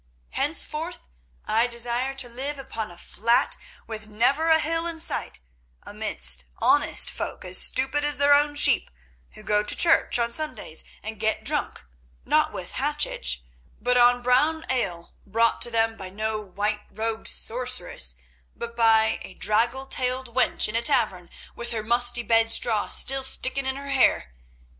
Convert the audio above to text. Henceforth, I desire to live upon a flat with never a hill in sight, amidst honest folk as stupid as their own sheep, who go to church on Sundays and get drunk, not with hachich, but on brown ale, brought to them by no white robed sorceress, but by a draggle tailed wench in a tavern, with her musty bedstraw still sticking in her hair.